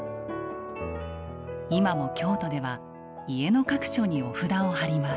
今も京都では家の各所にお札を貼ります。